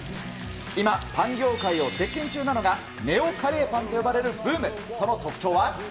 今、パン業界を席けん中なのが、ＮＥＯカレーパンと呼ばれるブー映え！